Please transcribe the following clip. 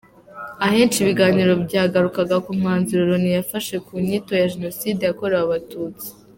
Ahenshi ibiganiro byagarukaga ku mwanzuro Loni yafashe ku nyito ya Jenoside yakorewe Abatutsi.